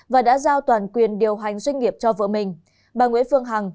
và đã giao toàn quyền điều hành doanh nghiệp cho vợ mình bà nguyễn phương hằng